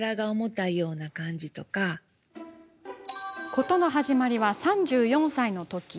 事の始まりは３４歳のとき。